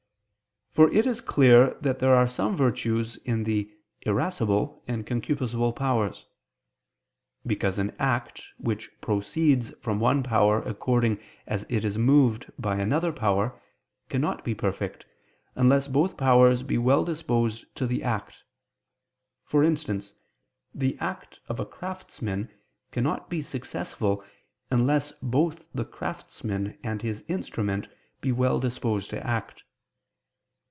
For it is clear that there are some virtues in the irascible and concupiscible powers. Because an act, which proceeds from one power according as it is moved by another power, cannot be perfect, unless both powers be well disposed to the act: for instance, the act of a craftsman cannot be successful unless both the craftsman and his instrument be well disposed to act.